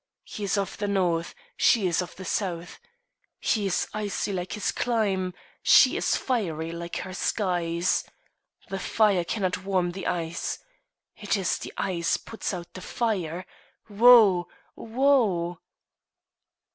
He is of the North; she is of the South. He is icy like his clime; she is fiery like her skies. The fire cannot warm the ice. It is the ice puts out the fire! Woe! woe!"